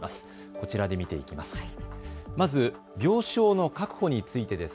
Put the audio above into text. こちらで見ていきます。